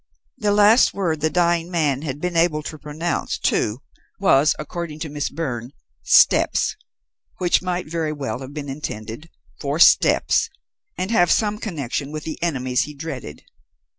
The last word the dying man had been able to pronounce, too, was, according to Miss Byrne, 'steps' which might very well have been intended for steppes, and have some connection with the enemies he dreaded.